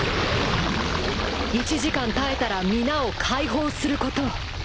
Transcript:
［１時間耐えたら皆を解放することを］